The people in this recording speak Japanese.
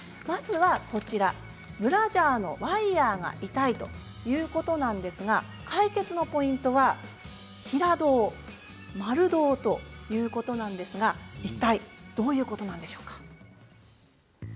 まずはブラジャーのワイヤーが痛い！ということなんですが解決のポイントは平胴、丸胴ということなんですがいったいどういうことなんでしょうか。